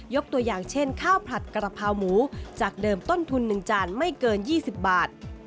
ตัวอย่างเช่นข้าวผัดกระเพราหมูจากเดิมต้นทุน๑จานไม่เกิน๒๐บาท